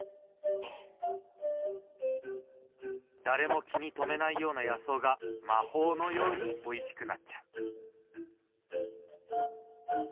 誰も気に留めないような野草が魔法のようにおいしくなっちゃう。